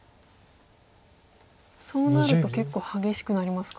そうなると結構激しくなりますか？